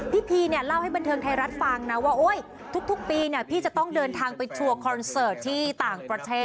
พีเนี่ยเล่าให้บันเทิงไทยรัฐฟังนะว่าทุกปีพี่จะต้องเดินทางไปทัวร์คอนเสิร์ตที่ต่างประเทศ